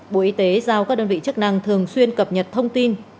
bộ y tế giao các đơn vị chức năng thường xuyên cập nhật thông tin